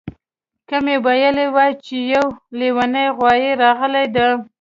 که مې ویلي وای چې یو لیونی غوایي راغلی دی